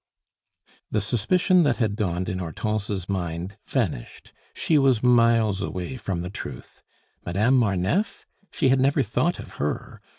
The suspicion that had dawned in Hortense's mind vanished; she was miles away from the truth. Madame Marneffe! She had never thought of her.